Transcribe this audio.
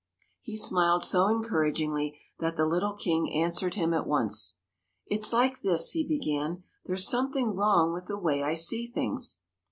He smiled so encouragingly that the little King answered him at once. '' It s like this/' he began, '' there 's some thing wrong with the way I see things."